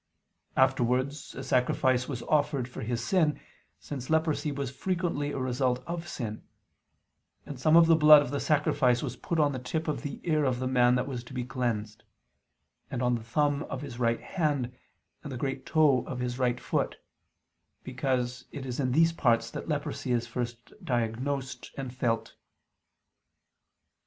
Afterwards a sacrifice was offered for his sin, since leprosy was frequently a result of sin: and some of the blood of the sacrifice was put on the tip of the ear of the man that was to be cleansed, "and on the thumb of his right hand, and the great toe of his right foot"; because it is in these parts that leprosy is first diagnosed and felt.